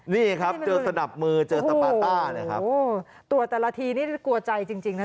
นี่ครับเจอสนับมือเจอสปาต้าตรวจแต่ละทีนี่กลัวใจจริงนะ